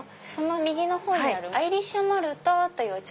右の方にあるアイリッシュモルトというお茶。